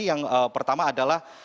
yang pertama adalah binokular